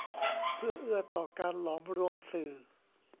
เพื่อเอื้อต่อการหลอมรวมสื่อ